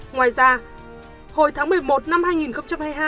ngoài ra hồi tháng một mươi một năm hai nghìn hai mươi hai